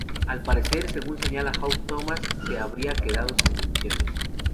Al parecer, según señala Hugh Thomas, se habría quedado sin municiones.